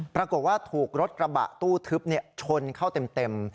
ปรากฏว่าถูกรถกระบะตู้ทึบชนเข้าเต็ม